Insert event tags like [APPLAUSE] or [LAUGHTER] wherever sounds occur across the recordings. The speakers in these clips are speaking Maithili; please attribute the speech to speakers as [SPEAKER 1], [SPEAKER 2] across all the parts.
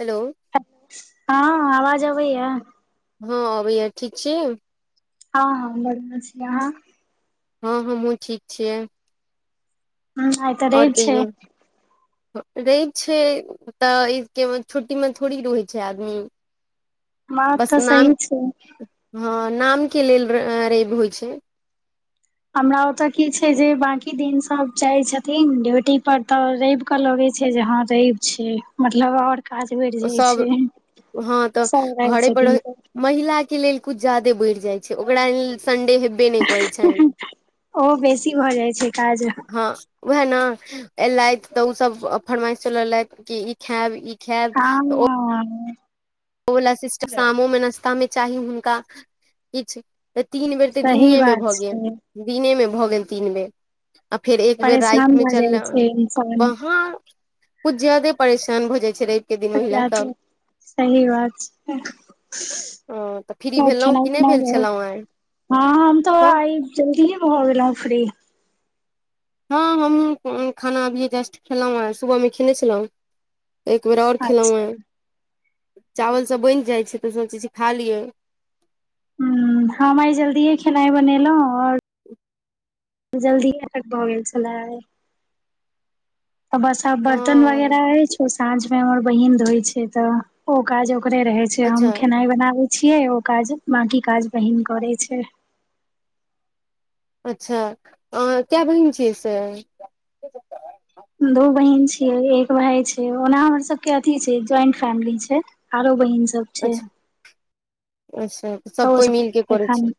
[SPEAKER 1] हेलो
[SPEAKER 2] हँ आवाज अबैया?
[SPEAKER 1] हँ अबैया ठीक छी?
[SPEAKER 2] हँ हँ ब बढ़ियां छी अहाँ?
[SPEAKER 1] हँ हमहुँ ठीक छियै।
[SPEAKER 2] ह आइ त रैव छैय।
[SPEAKER 1] रैव छैय तऽ इबके छुट्टी मे थोड़ी रहै छैय आदमी।
[SPEAKER 2] बात
[SPEAKER 1] बस
[SPEAKER 2] त
[SPEAKER 1] नाम
[SPEAKER 2] सही छैय।
[SPEAKER 1] हँ नामके लेल रैव होइ छैय।
[SPEAKER 2] हमरा ओतऽ की छैय जे बाँकी दिन सब जाइ छथिन ड्यूटी पर तऽ रैव के त की रैव छैय मतलब ओर
[SPEAKER 1] सब हँ तऽ
[SPEAKER 2] सब रहै
[SPEAKER 1] घरे पर
[SPEAKER 2] छथिन
[SPEAKER 1] रह
[SPEAKER 2] तऽ
[SPEAKER 1] महिला के लेल कुछ जादे बढ़ि जाइ छैय ओकरा लेल संडे हेबे नई करै छैन।
[SPEAKER 2] ओ बेसी भऽ जाइ छै काज
[SPEAKER 1] वहे न एलथि तऽ ओ सब फरमाइश चलेलैथ की इ खायब ई खायब तऽ
[SPEAKER 2] हँ
[SPEAKER 1] ओ ओ वला सिस्टर शामो मे नश्तामे चाही हुनका किछ तऽ तीन बेर तऽ
[SPEAKER 2] सही
[SPEAKER 1] दिनियेमे
[SPEAKER 2] बात
[SPEAKER 1] भऽ गेल
[SPEAKER 2] छै
[SPEAKER 1] दिनेमे भऽ गेल तीन बेर आ फेर एक बेर
[SPEAKER 2] परेशान
[SPEAKER 1] राइत मे
[SPEAKER 2] भऽ जाइ
[SPEAKER 1] चलला
[SPEAKER 2] छै इंसान
[SPEAKER 1] वहाँ किछ जादे परेशान भऽ जाइ छैय रैव क दिन महिला
[SPEAKER 2] एकरा तऽ
[SPEAKER 1] सभ।
[SPEAKER 2] [UNINTELLIGIBLE] खेनाइ
[SPEAKER 1] ह तऽ फ्री भेलहुँ कि
[SPEAKER 2] पिनाइ
[SPEAKER 1] नहि भेल
[SPEAKER 2] भ गेल
[SPEAKER 1] छलहुँ आइ
[SPEAKER 2] हँ हम तऽ
[SPEAKER 1] हँ
[SPEAKER 2] आइ जल्दी ही भ गेला। फ्री
[SPEAKER 1] हँ हमहूँ खाना अभीए जस्ट खेलहुँ हेँ सुबहमे खेने छलहुँ। एक बेर ओर खेलौ
[SPEAKER 2] अच्छा
[SPEAKER 1] हैं। चावल सब बनि जाइ छैय तऽ सोचै छी खा लीअइ।
[SPEAKER 2] हम् हम आइ जल्दिए खेनाइ बनेलहुँ ओर जल्दीय भऽ गेल छले आइ। बस आब बर्तन
[SPEAKER 1] हँ
[SPEAKER 2] वगैरह अइछ साँझ में हुमर बहीन धोइ छैय तऽ ओ काज ओकरे रहे छैय
[SPEAKER 1] अच्छा
[SPEAKER 2] हम खेनाइ बनाबे छियै ओ काज बाँकी काज बहिन करै छैय।
[SPEAKER 1] अच्छा अहाँ कय बहीन छियै से?
[SPEAKER 2] दो बहिन छिय एक भाय छीयय ओना हमर सबके अथी छैय ज्वइंट फैमिली छैय आरो बहिन छैय। सब छैय।
[SPEAKER 1] अचछा सब कोइ मिलके करै छै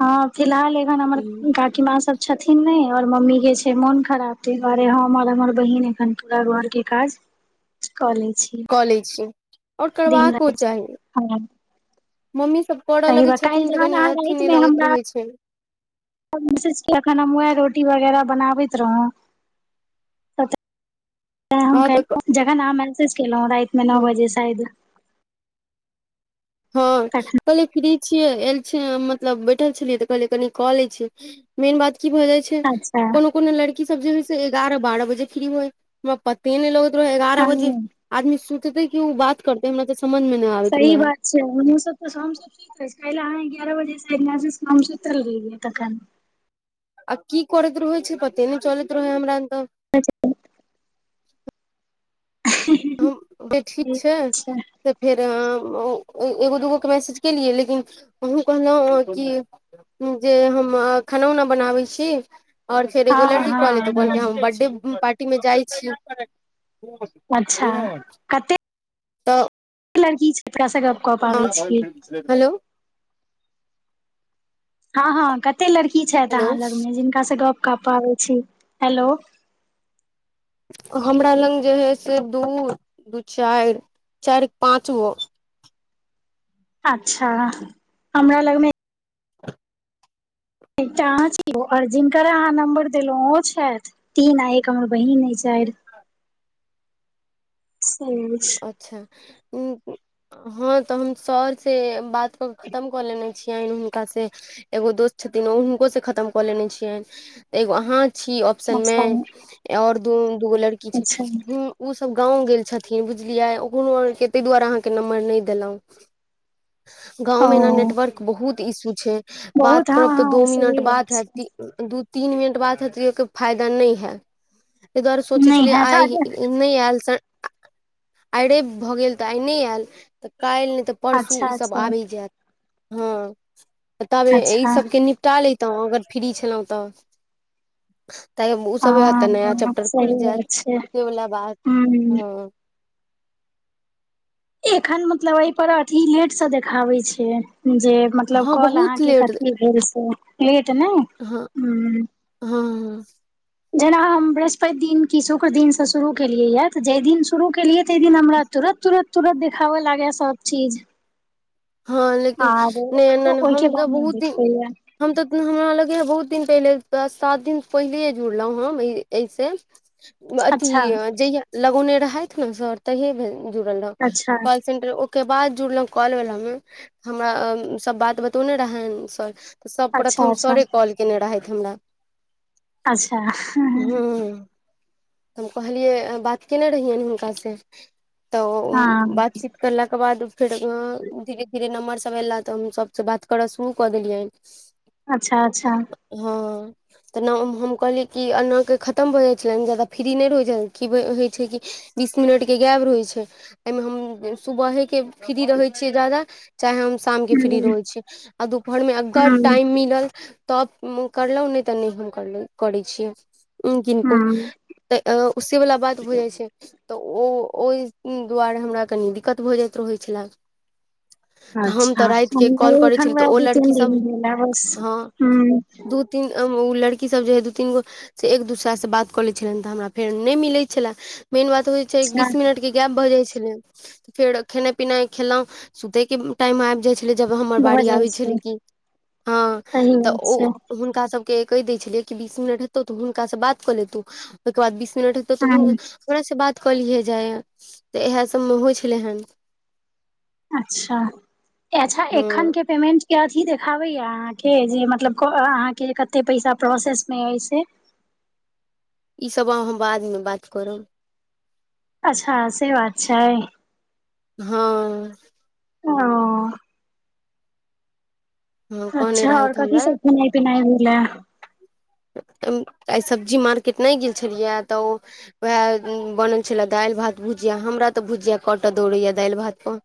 [SPEAKER 2] हँ फिलहाल एखन हमर काकी माँ सब छथिन नई आर मम्मी के छै मोन खराब तै दुआरे हम आर हमर बहिन एखन पूरा घरके काज कॉलेज
[SPEAKER 1] कऽ लै छी ओर करबाको
[SPEAKER 2] राति
[SPEAKER 1] चाही
[SPEAKER 2] हँ
[SPEAKER 1] मम्मी सब पड
[SPEAKER 2] सही
[SPEAKER 1] लगै
[SPEAKER 2] बात काल्हि
[SPEAKER 1] छथिन तऽ
[SPEAKER 2] जहन
[SPEAKER 1] कनि अथिी नहि लगैत रहैत छै
[SPEAKER 2] एखन हम उएह रोटी वगैरह बनाबैत रहौँ
[SPEAKER 1] हँ
[SPEAKER 2] तऽ
[SPEAKER 1] तऽ
[SPEAKER 2] [UNINTELLIGIBLE] जखन अहाँ मैसेज केलहुँ राति मे नओ बजे शायद
[SPEAKER 1] हँ
[SPEAKER 2] तखन
[SPEAKER 1] कहली फ्री छियै एल छी मतलब बैठल छलियै तऽ कहलियै कनि कऽ ले छी मेन बात की भऽ जाय छै
[SPEAKER 2] अच्छा
[SPEAKER 1] कोनो कोनो लड़की सब जे हय से एगारह बारह बजे फ्री होइ हमरा पते नहि लगत एगारह बजे
[SPEAKER 2] हँ
[SPEAKER 1] आदमी सुतते कि ओ बात करतेै हमरा से समझ मे नहि आबैत रहे है
[SPEAKER 2] ा सब तऽ हम सब सुति रहे छी क अहाँ एगारह बजे से हम सुतल रहियै तखन
[SPEAKER 1] आ की करैत रहै छै पते नहि चलैत रहै हमरा तऽ
[SPEAKER 2] अचछ [UNINTELLIGIBLE]
[SPEAKER 1] हम ठीक छै
[SPEAKER 2] अच्छा
[SPEAKER 1] तऽ फेर एगो दुगो के मैसेज के लिए लेकिन कहलु की‌ जे हम खाना उना बनाबै छी ओर फेर एगो‌
[SPEAKER 2] हँ
[SPEAKER 1] लड़की की कहले
[SPEAKER 2] हँ
[SPEAKER 1] तऽ कहल
[SPEAKER 2] हँ
[SPEAKER 1] हम बर्थडे पार्टी मे जाइ छी
[SPEAKER 2] अच्छा कते
[SPEAKER 1] तऽ
[SPEAKER 2] लड़की छै जेकरा से गप कऽ
[SPEAKER 1] ह
[SPEAKER 2] पाबै छी
[SPEAKER 1] हेलो [UNINTELLIGIBLE]
[SPEAKER 2] हँ हँ कते लड़की छथि
[SPEAKER 1] हेलो
[SPEAKER 2] अहाँ लगमे जिनकाँ सॅं गप कपाबे छी हेलो
[SPEAKER 1] हमरा लग जे हइ से दू दू चारि चारि पाँचो गो
[SPEAKER 2] अच्छा हमरा लग में एकटा अछी जिनक अहाँ नं्बर देलहुं ओ छथि तीन आ एक हमर बहिन अय चारि से अछि
[SPEAKER 1] अच्छा [UNINTELLIGIBLE] हँ तऽ हम सर से बात कऽ के खतम कऽ लेने छियनि हुनका से एगो दोस्त छै उनको से खतम को लेने छिये एगो आहं छी ऑप्शन मे
[SPEAKER 2] अच्छा
[SPEAKER 1] ओर दुगो लड़की छै
[SPEAKER 2] अच्छा
[SPEAKER 1] ओ सब गाँंव गेल छथिन लिन बुझलियै ओ आके ताहि दुआरे अहाँके नम्बर नहि देलहुँ। गाँंव मे एना
[SPEAKER 2] ओ
[SPEAKER 1] नेटवर्क बहुत इशू छैय। बात
[SPEAKER 2] बहुत हँ
[SPEAKER 1] करब तऽ
[SPEAKER 2] हँ
[SPEAKER 1] दो मिनट
[SPEAKER 2] सही
[SPEAKER 1] बात
[SPEAKER 2] छै
[SPEAKER 1] हैत दू तीन मिनट बात हैत ओके फायदा नहि है ताहि दुआरे सोचे
[SPEAKER 2] नहि
[SPEAKER 1] छलियै
[SPEAKER 2] हैत
[SPEAKER 1] आइ नहि आयल स आइ रवि भऽ गेल तऽ आइने आयल तऽ काल्हि नहि तऽ परसू
[SPEAKER 2] अच्छा
[SPEAKER 1] ईसभ
[SPEAKER 2] अच्छा
[SPEAKER 1] आबि जायत हँ तब ई
[SPEAKER 2] अच्छा
[SPEAKER 1] सबके निपटा ले तऽ अगर फ्री छलहुँ तऽ त ओ सब तऽ नया
[SPEAKER 2] हँ
[SPEAKER 1] चैप्टर
[SPEAKER 2] सही
[SPEAKER 1] खुलि जायत
[SPEAKER 2] बात छै
[SPEAKER 1] से वला बात
[SPEAKER 2] हूँ
[SPEAKER 1] हॅं
[SPEAKER 2] एखन मतलब एहि पर अथी लेट से देखाबै छै जे मतलब
[SPEAKER 1] हँ
[SPEAKER 2] काॅल
[SPEAKER 1] बहुत
[SPEAKER 2] अहाँके
[SPEAKER 1] लेट
[SPEAKER 2] कथी भेल से लेट नहि
[SPEAKER 1] हँ
[SPEAKER 2] हुॅ
[SPEAKER 1] हँ
[SPEAKER 2] जेना हम बृहस्पति दिन कि शुक्र दिनसँ शुरू केलियैए तऽ जाहि दिन शुरू केलियै तइ दिन हमरा तुरत तुरत तुरत देखाब लागै सब चीज
[SPEAKER 1] हँ लेकिन
[SPEAKER 2] आर
[SPEAKER 1] नहि ए नहि
[SPEAKER 2] ओहिके
[SPEAKER 1] हम तऽ
[SPEAKER 2] बाद नहि
[SPEAKER 1] बहुत दिन
[SPEAKER 2] देखैय
[SPEAKER 1] हम तऽ हमरा लग बहुत दिन पहिले सात दिन पहिले जुड़लहुँ हम एहिस अथी
[SPEAKER 2] अच्छा
[SPEAKER 1] जहिया लगौने रहथि ने सर तहिये भेल जुड़ल रह
[SPEAKER 2] अच्छा
[SPEAKER 1] कॉल सेंटर ओके बाद जुड़लो कॉल वाला मे। हमरा सब बात बतौने रहैन सर तऽ सब
[SPEAKER 2] अच्छा
[SPEAKER 1] प्रथम
[SPEAKER 2] अच्छा
[SPEAKER 1] सरे कॉल केने रहथि। हमरा
[SPEAKER 2] अच्छा
[SPEAKER 1] तऽ हम कहलियै बात कयने रहियैनि हुनकासँ। तऽ
[SPEAKER 2] हँ
[SPEAKER 1] बातचीत करलाक के बाद फेर धीरे धीरे नम्बर सभ अयला तऽ हम सभसँ बात करय शुरू कऽ देलियनि
[SPEAKER 2] अच्छा अच्छा
[SPEAKER 1] त ना हम कहलिय कि एना के खतम भ जाइ छलेन जा फ्री नहि रहहि जाइ कि होइ छैय कि बीस मिनटके गायब रहै छैय एहिमे हम सुबहे के फ्री रहै छियै जदा चाहे हम शामके फ्री
[SPEAKER 2] हूँ
[SPEAKER 1] रहै छी आ दुपहरमे अगर
[SPEAKER 2] हूँ
[SPEAKER 1] टाइम मिलल तब मुकरलहु नहि त नहि हम करलौं करै छियै किनको
[SPEAKER 2] हूँ
[SPEAKER 1] त उ सेवला बात भ जाइ छैय। त ओ ओहि दुआरे हमरा कनि दिक्कत भ जाइत रहैत छलए। त हम
[SPEAKER 2] अच्छा
[SPEAKER 1] त रात के
[SPEAKER 2] हमरो
[SPEAKER 1] कॉल करै
[SPEAKER 2] एखन
[SPEAKER 1] छलै त
[SPEAKER 2] वएह
[SPEAKER 1] ओ
[SPEAKER 2] दू
[SPEAKER 1] लड़की
[SPEAKER 2] तीन
[SPEAKER 1] सब
[SPEAKER 2] दिन भेल हँ बस
[SPEAKER 1] हँ
[SPEAKER 2] हूँ
[SPEAKER 1] दू तीन ओ लड़कीसब जे हइ दू तीन गो से एक दूसरास बात क लै छलनि त हमरा फेर नहि मिलै छलय। मेन बात होइ छैय एक
[SPEAKER 2] अच्छा
[SPEAKER 1] बीस मिनट के गैप भ जाइ छैय। फेर खेना पीनाइ खेलौं सुते के टाइम मे आब जाइ छैय। जब हमर
[SPEAKER 2] भऽ
[SPEAKER 1] बड़ी
[SPEAKER 2] जाइ
[SPEAKER 1] आबी
[SPEAKER 2] छै
[SPEAKER 1] छलै कि हँ
[SPEAKER 2] सही
[SPEAKER 1] त
[SPEAKER 2] बात छै
[SPEAKER 1] ओ हुनका सब के कहि दै छलियै कि बीस मिनट हेतौ त हुनका स बात क ले तु ओहिके बाद बीस मिनट हेतउ त
[SPEAKER 2] हूँ
[SPEAKER 1] हमरा से बात कलिहे जाइए त इएह सबमे होइ छलै एहेन
[SPEAKER 2] अच्छा अछा एखन के पेमेंट के अथी देखाबैया अहाँके जे मतलब अहाँके कते पैसा प्रसेस मे अइ से?
[SPEAKER 1] इसब अहाँ बादमे बात करब।
[SPEAKER 2] अच्छा से बात छैय।
[SPEAKER 1] हँ
[SPEAKER 2] ओ
[SPEAKER 1] हँ कहने
[SPEAKER 2] अच्छा आओर
[SPEAKER 1] रहथि
[SPEAKER 2] कथी
[SPEAKER 1] हमरा
[SPEAKER 2] सब खेनाइ पिनाइ भेलै?
[SPEAKER 1] आइ सब्जी मार्केट नहि गेल छलियै त वएह बनल छले दालि भात भूज जिया हमरा त भुजिया कट दौड़ैया दालि भात पर।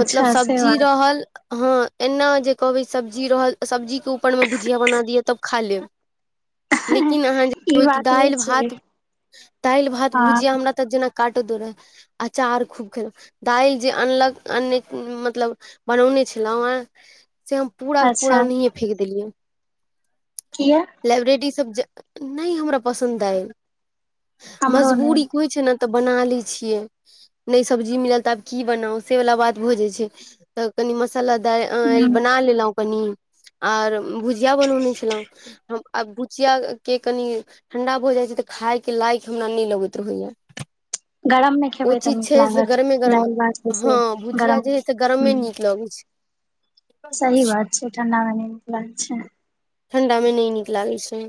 [SPEAKER 1] मतलब
[SPEAKER 2] से
[SPEAKER 1] सब्जी
[SPEAKER 2] बात
[SPEAKER 1] रहल हँ एना जे कहबै सब्जी रहल सब्जी के ऊपर मे भुजिया बना दिय तब खा लेब लि किन अहाँ
[SPEAKER 2] ई
[SPEAKER 1] बै कि
[SPEAKER 2] बात होइ
[SPEAKER 1] दालि
[SPEAKER 2] छै
[SPEAKER 1] भात दालि भात
[SPEAKER 2] हँ
[SPEAKER 1] भुजिया हमरा त जेना काट दो रहे अचार खूब खेलौ दालि जे अनलक अनने मतलब बनौन नहि छलहु ह से हम पूरा के पूरा
[SPEAKER 2] अच्छा
[SPEAKER 1] ओनहिये फेेक देलियै।
[SPEAKER 2] किया
[SPEAKER 1] लाइब्रेरी सब ज नहि हमरा पसन्द अइ
[SPEAKER 2] हमरो नै
[SPEAKER 1] मजबूरी कोइ छैय ने त बना लई छियै नहि सब्जी मिलल त आब की बनाउ से वला बात भ जई छैय त कनि मस सला दि
[SPEAKER 2] हूँ
[SPEAKER 1] बना लेलहुँ कनी आर भुजिया बनौने छलहुँ आ भुचिया के कनि ठण्डा भ जाइ छैय त खायके लायक हमरा नहि लगैत रहैया
[SPEAKER 2] गरम मे
[SPEAKER 1] ओ
[SPEAKER 2] खेबै तऽ
[SPEAKER 1] चीज
[SPEAKER 2] नीक
[SPEAKER 1] छैय से
[SPEAKER 2] लागत
[SPEAKER 1] गरमे गरम
[SPEAKER 2] दालि भात बेसी
[SPEAKER 1] हँ भुजिया
[SPEAKER 2] गरम
[SPEAKER 1] जे है से
[SPEAKER 2] मे
[SPEAKER 1] गरमे
[SPEAKER 2] हूँ
[SPEAKER 1] नीक लगै छ
[SPEAKER 2] सही बात छैय ठण्डा मे नहि नीक लागै छैय।
[SPEAKER 1] ठण्डा मे नहि नीक लागै छैय।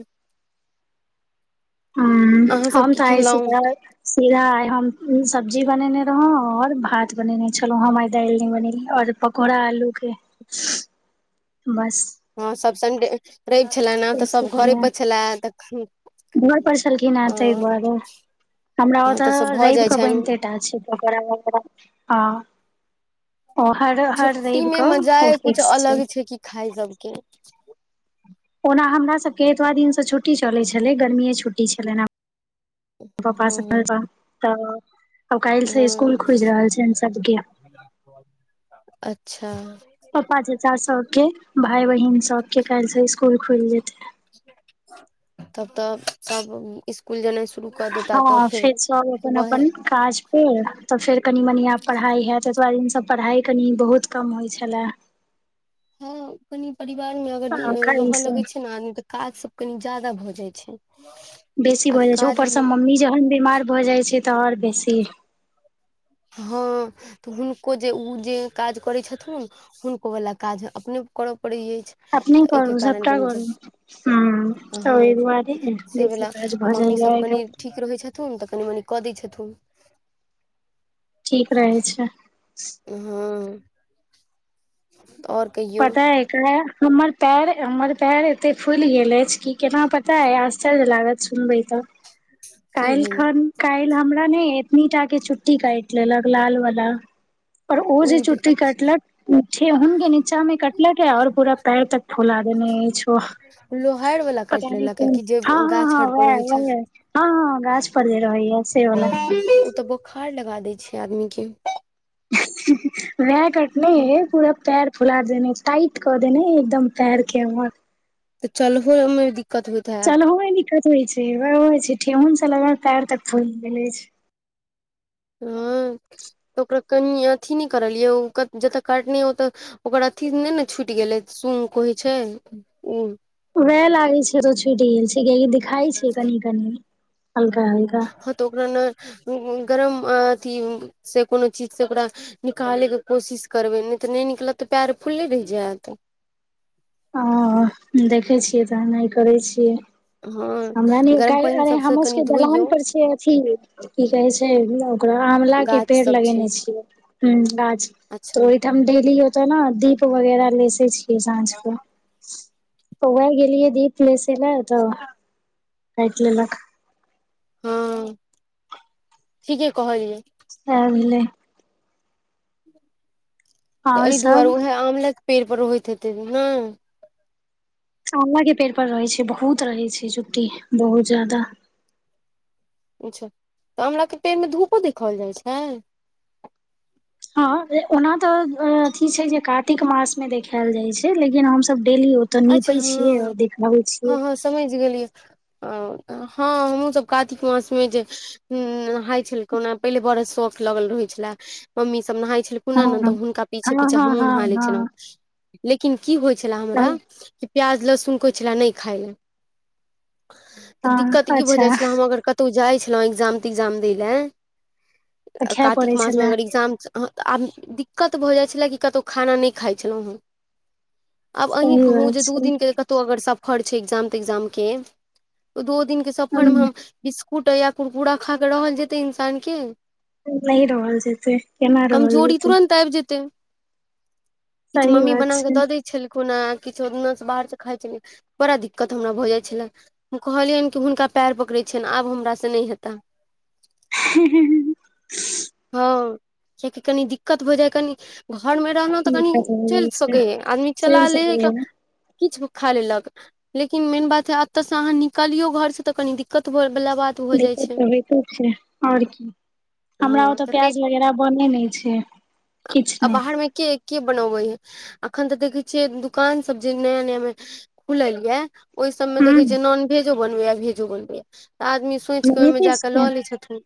[SPEAKER 2] ह्म हम त आइ
[SPEAKER 1] खेलहुँ
[SPEAKER 2] सीधा सीधा आइ हम सब्जी बनेने रहौं और भात बनेने छलहु हम दालि नहि बनेली ओर पकौड़ा आलू के बस
[SPEAKER 1] हँ सब संडे रवि छलै न त
[SPEAKER 2] एहि
[SPEAKER 1] सब घरे
[SPEAKER 2] रहै।
[SPEAKER 1] पर छलै तखन
[SPEAKER 2] घर पर छलखिन ए तहि दुआरे हमरा
[SPEAKER 1] हँ
[SPEAKER 2] ओत
[SPEAKER 1] तऽ सब भऽ जाइ
[SPEAKER 2] रवि क
[SPEAKER 1] छनि
[SPEAKER 2] बनिते टा छै पकौड़ा वकौड़ा हँ ओ हर हर रवि
[SPEAKER 1] छुट्टीमे
[SPEAKER 2] कऽ ओ
[SPEAKER 1] मजाए कुछ
[SPEAKER 2] फिक्स
[SPEAKER 1] अलग छै कि खाय सबके
[SPEAKER 2] ओना हमरा सबके एतबा दिनस छुट्टी चलै छलै गर्मीए छुट्टी छलै न
[SPEAKER 1] ह्म ह्म
[SPEAKER 2] त अब काल्हि से स्कुल खुजि रहल छैन सबके
[SPEAKER 1] अचछा
[SPEAKER 2] पप्पा चाचा सब के भाय बहिन सब के काइल से स्कूल खुल जेतै
[SPEAKER 1] तब तऽ सब स्कूल जेनाइ शुरू क देतै
[SPEAKER 2] हँ फेर सब अपन अपन काज पेर तऽ फेर कनि मनी आ पढ़ाई है ततो दिन त पढ़ाइ कनि बहुत कम होइ छलै
[SPEAKER 1] हँ कनि परिवार मे अगर
[SPEAKER 2] काल्हि
[SPEAKER 1] रहय
[SPEAKER 2] से
[SPEAKER 1] लगैत छै ने आदमी तऽ काज सब कनि ज्यादा भऽ जा जाइ छै
[SPEAKER 2] बेसी
[SPEAKER 1] आ
[SPEAKER 2] भऽ जाइ छै
[SPEAKER 1] काज भी
[SPEAKER 2] ऊपरसँ मम्मी जहन बीमार भऽ जाइ छै तऽ और बेसी
[SPEAKER 1] हँ तऽ हुनको जे ओ जे काज करैत छथुन हुनको वला काज अपने कर
[SPEAKER 2] अपने करू सबटा करू हूँ ओहि दुआरे काज भऽ जाइया
[SPEAKER 1] मम्मीसब
[SPEAKER 2] आइ
[SPEAKER 1] कनि
[SPEAKER 2] काल्हि
[SPEAKER 1] ठीक रहै छथुन तऽ कनि मनि कऽ दै छथुन
[SPEAKER 2] ठीक रहै छै
[SPEAKER 1] हँ आओर कहियौ
[SPEAKER 2] पता अय एकरा हमर पैर हमर पैर एते फुइल गेल अछि कि केना पता अइ आश्चर्य लागत सुनबै तऽ
[SPEAKER 1] की
[SPEAKER 2] काइल
[SPEAKER 1] भेल
[SPEAKER 2] खन काइल हमरा ने एतनीटा के चुट्टी काइट लेलक लाल बला पर ओ जे
[SPEAKER 1] उ
[SPEAKER 2] चुटि कटलक उ ठेहुनके नि नै कटलक है और पूरा पैर तक फुला देने अइछ ओ
[SPEAKER 1] लोहार वाला
[SPEAKER 2] पता
[SPEAKER 1] काटि
[SPEAKER 2] नहि
[SPEAKER 1] लेलक
[SPEAKER 2] कोन
[SPEAKER 1] कि जे
[SPEAKER 2] हँ हँ
[SPEAKER 1] गाछ
[SPEAKER 2] हँ
[SPEAKER 1] हर पर
[SPEAKER 2] वएह
[SPEAKER 1] रहै छै
[SPEAKER 2] वह है हँ हँ गाछ पर जै रहै है से वला
[SPEAKER 1] ओ तऽ बोखार लगा दै छै आदमी के
[SPEAKER 2] वएह कटने है पूरा पैर फुला देने टाइट कऽ देने एकदम पैरके हमर
[SPEAKER 1] त चलहो में दिक्क
[SPEAKER 2] चल हो मे [UNINTELLIGIBLE] दिक्कत होइ छैय हो छैय ठेहुन तलबा काइर तक फुइल गेले छैय।
[SPEAKER 1] हँ तऽ ओकरा कनि अथी नहि करलियौ जत काटने ओतऽ ओकरा अथी नहि ने छुटि गेलै सुंग कहै छैय ओ
[SPEAKER 2] वएह लागै छै तऽ छूटि गेल छै कियकि दिखाई छै कनि कनी
[SPEAKER 1] हँ तऽ ओकरा ने गरम अथि से कोनो चिज से ओकरा निकालै के कोशिश करबै नै त नै निकलत पैर फुल्ले रहि जायत
[SPEAKER 2] ओ देखै छियै तऽ नहि करै छियै
[SPEAKER 1] हँ
[SPEAKER 2] हमरा नै
[SPEAKER 1] गरम
[SPEAKER 2] ओकाय
[SPEAKER 1] पानि
[SPEAKER 2] अरे
[SPEAKER 1] सबसँ
[SPEAKER 2] हमर
[SPEAKER 1] कनि
[SPEAKER 2] सबके दलान
[SPEAKER 1] धोइयौ
[SPEAKER 2] पर छै अथी की कहै छै ओकरा आमला के
[SPEAKER 1] गाछ
[SPEAKER 2] पेड़
[SPEAKER 1] सब छै
[SPEAKER 2] लगेने छियै ह्म गाछ
[SPEAKER 1] अच्छा
[SPEAKER 2] तोरैऽ ओहिठाम डेली ओत न दीप वगैरह लेसै छियै साँझ क पौआ गेलियै दीप लेस लए तऽ काइट लेलक
[SPEAKER 1] हँ ठीके कहलियै
[SPEAKER 2] सैह भैलय
[SPEAKER 1] तऽ
[SPEAKER 2] आओर
[SPEAKER 1] एहि दुआरे
[SPEAKER 2] सब
[SPEAKER 1] उहै आमले के पेड़ पर होता हेतै नै
[SPEAKER 2] आमला के पेड़ पर रहै छै बहुत रहै छै चुट्टी बहुत जादा
[SPEAKER 1] अच्छा तऽ आमलाके पेड़मे धूपो देखाओल जाइ छै
[SPEAKER 2] हँ ओना तऽ अथी छै जे कातिक मासमे देखायल जाइत छै लेकिन हमसब डेली ओतऽ
[SPEAKER 1] अच्छा
[SPEAKER 2] नीपे छियै
[SPEAKER 1] हँ
[SPEAKER 2] देखाबै छियै।
[SPEAKER 1] अ हँ हमहूँसब कातिक मासमे जे नहाइत छलखिन हना पहिले बरसो लगल रहै छले मम्मी सब नहाइ छल खेलखु
[SPEAKER 2] हँ
[SPEAKER 1] न हुनका पीछे
[SPEAKER 2] हँ
[SPEAKER 1] पीछे
[SPEAKER 2] हँ
[SPEAKER 1] हमहुँ
[SPEAKER 2] हँ
[SPEAKER 1] नहा ले छलौ
[SPEAKER 2] हँ
[SPEAKER 1] लेकिन की होइ छले हमरा।
[SPEAKER 2] तऽ
[SPEAKER 1] कि प्याज लहसुन कुछ लेनहि खाइ ले। तऽ दिक्कत
[SPEAKER 2] हँ
[SPEAKER 1] ई भऽ
[SPEAKER 2] अच्छा
[SPEAKER 1] जाइत छलै हम अगर कतहु जाइ छलहुँ एग्जाम तिक्जाम दै लए
[SPEAKER 2] तऽ खाय
[SPEAKER 1] कार्तिक
[SPEAKER 2] पड़ै
[SPEAKER 1] मास मे
[SPEAKER 2] छलए
[SPEAKER 1] अगर एग्जाम ह आब दिक्कत भऽ जाइ छलै कि कतहु खाना नहि खाइ छलहुँ हेँ आब अहीं
[SPEAKER 2] सही
[SPEAKER 1] कहुं
[SPEAKER 2] बात
[SPEAKER 1] जे दु
[SPEAKER 2] छै
[SPEAKER 1] दिन के जे कत्तौ अगर सफर छैय एग्जाम तिग्जाम के त ओ दो दिन के सफर
[SPEAKER 2] हूँ
[SPEAKER 1] मे हम बिस्कुट या कुरकुरा खा के रहल जेतै इंसान के
[SPEAKER 2] नहि रहल जेतै केना रहल
[SPEAKER 1] कमजोरी
[SPEAKER 2] जेतै
[SPEAKER 1] तुरन्त आबि जेतै। ई तऽ
[SPEAKER 2] सही
[SPEAKER 1] मम्मी
[SPEAKER 2] बात
[SPEAKER 1] बना क
[SPEAKER 2] छै
[SPEAKER 1] दऽ दै छलखुन हैं। किछो दिना स बाहर से खाइ छलियै बड़ा दिक्कत हमरा भऽ जाय छलै कहलियनि कि हुनका पैर पकड़े छनि आब हमरा से नहि हेता। हँ कियाकि कनि दिक्कत भ जाइ कनि घरमे रहलहुँ तऽ कनि
[SPEAKER 2] दिक्कत हो
[SPEAKER 1] चलि
[SPEAKER 2] जाइ छै
[SPEAKER 1] सकै हइ आदमी
[SPEAKER 2] चलि
[SPEAKER 1] चला लै हइ कऽ
[SPEAKER 2] सकैये
[SPEAKER 1] किछु खा लेलक लेकिन मेन बात हे एते से अहाँ निकलियो घर से त कनी दिक्कत भ
[SPEAKER 2] दिक्कत तऽ होइते छैय और की हमरा
[SPEAKER 1] हँ
[SPEAKER 2] ओतऽ
[SPEAKER 1] तऽ ताहि
[SPEAKER 2] प्याज वगैरह बने नहि छैय किछु
[SPEAKER 1] आ
[SPEAKER 2] नहि।
[SPEAKER 1] बाहरमे के के बनबै हइ अखन तऽ देखै छियै दुकान सब जे नया नया मे खुलल यऽ ओहि सभमे
[SPEAKER 2] हूँ
[SPEAKER 1] देखै छियै नॉन भेजो बनबैया भेजो बनबैया। तऽ आदमी सोचि कऽ ओहिमे
[SPEAKER 2] लगेते
[SPEAKER 1] जा कऽ
[SPEAKER 2] छियै
[SPEAKER 1] लऽ लै छथिन।